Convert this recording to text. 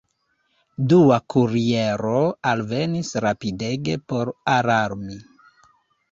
Dua kuriero alvenis rapidege por alarmi.